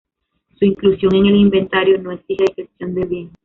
Su inclusión en el inventario no exige descripción del bien.